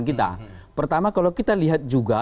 kita pertama kalau kita lihat juga